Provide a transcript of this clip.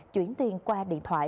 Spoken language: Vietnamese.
chuyển tiền qua điện thoại